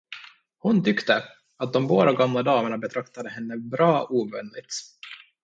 Hon tyckte, att de båda gamla damerna betraktade henne bra ovänligt.